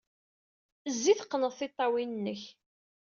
Zzi, teqqned tiṭṭawin-nnek.